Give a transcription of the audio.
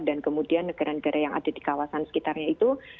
dan kemudian negara negara yang ada di kawasan sekitarnya itu